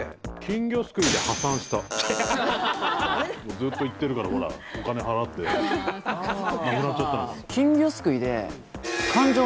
ずっと行ってるからほらお金払ってなくなっちゃったのかと。